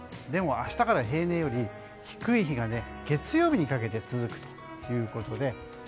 でも、明日から平年より低い日が月曜日にかけて続くということで。